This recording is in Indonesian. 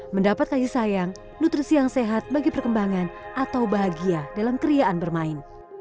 mendapatkan hisayang nutrisi yang sehat bagi perkembangan atau bahagia dalam kerjaan bermain